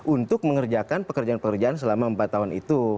untuk mengerjakan pekerjaan pekerjaan selama empat tahun itu